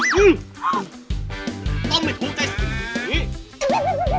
ต้องมิถุงกับศิษย์สิ